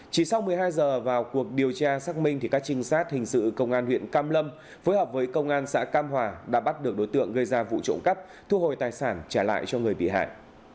chỉ sau một mươi hai giờ vào cuộc điều tra xác minh các trinh sát hình sự công an huyện cam lâm phối hợp với công an xã cam hòa đã bắt được đối tượng gây ra vụ trộm cắp thu hồi tài sản trả lại cho người bị hại